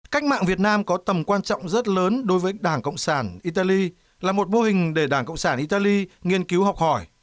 cách mạng việt nam có tầm quan trọng rất lớn đối với đảng cộng sản italy là một mô hình để đảng cộng sản italy nghiên cứu học hỏi